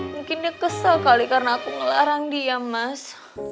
mungkin dia kesal kali karena aku ngelarang dia mas